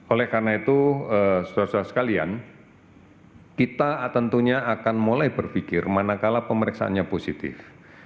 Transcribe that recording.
oleh karena itu saudara saudara sekalian kita tentunya akan mulai berpikir manakala pemeriksaannya positif